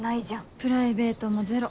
プライベートもゼロ。